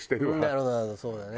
なるほどなるほどそうだね。